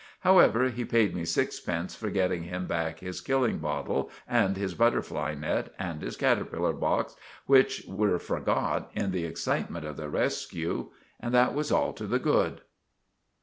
However, he paid me sixpence for getting him back his killing bottle and his butterfly net and his caterpillar box, which were forgot in the excitement of the resque; and that was all to the good.